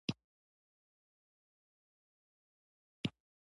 ازادي راډیو د د مخابراتو پرمختګ په اړه د استادانو شننې خپرې کړي.